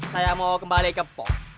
saya mau kembali ke pop